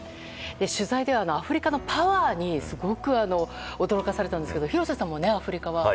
取材ではアフリカのパワーにすごく驚かされたんですが廣瀬さんもアフリカは。